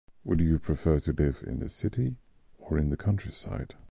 Would you prefer to live in a city or in the countryside?